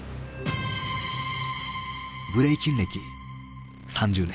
ブレイキン歴３０年。